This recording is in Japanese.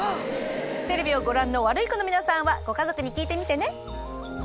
テレビをご覧のワルイコの皆さんはご家族に聞いてみてね。